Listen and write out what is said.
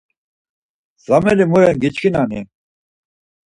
Zameli mu ren giçkinani?